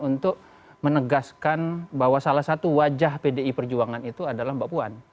untuk menegaskan bahwa salah satu wajah pdi perjuangan itu adalah mbak puan